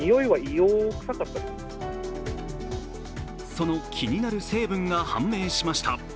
その気になる成分が判明しました。